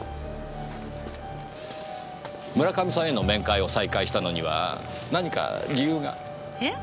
村上さんへの面会を再開したのには何か理由が？えっ？